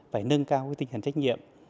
phải nâng cao tinh thần trách nhiệm